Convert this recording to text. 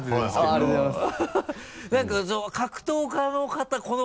ありがとうございます。